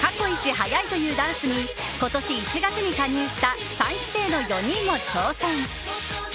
速いというダンスに今年１月に加入した３期生の４人も挑戦。